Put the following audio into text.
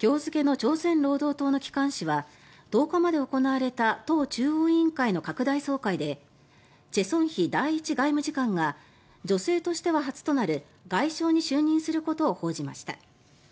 今日付の朝鮮労働党の機関紙は１０日まで行われた党中央委員会の拡大総会でチェ・ソンヒ第１外務次官が女性としては初となる外相に就任することを報じました。